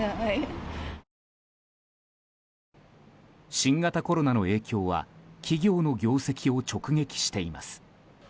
新型コロナの影響は企業の業績を直撃しています。